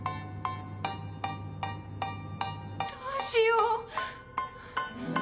どうしよう。